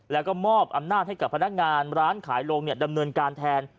แล้วก็มอบอำนาจให้กับพนักงานร้านขายลงดำเนินการแทน